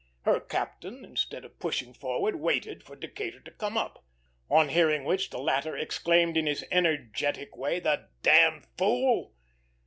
Her captain, instead of pushing forward, waited for Decatur to come up; on hearing which the latter exclaimed in his energetic way, 'The d d fool!'"